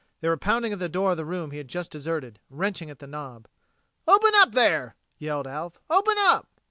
They were pounding at the door of the room he had just deserted, wrenching at the knob. "Open up there!" yelled Alf. "Open up!"